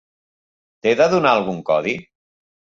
T'he de donar algun codi?